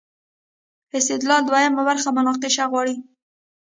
استدلال دویمه برخه مناقشه غواړي.